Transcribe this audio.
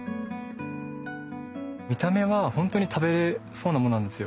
見た目は本当に食べれそうなものなんですよ。